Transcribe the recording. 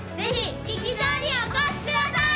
劇場にお越しください。